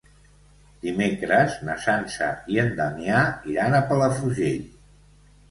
Dimecres na Sança i en Damià iran a Palafrugell.